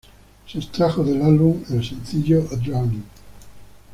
Se extrajo del álbum el sencillo "A Drowning".